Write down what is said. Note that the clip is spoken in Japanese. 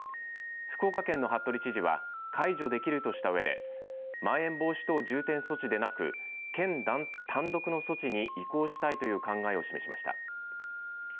福岡県の服部知事は解除できるとしたうえでまん延防止等重点措置でなく県単独の措置に移行したいという考えを示しました。